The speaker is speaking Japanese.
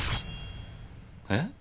えっ？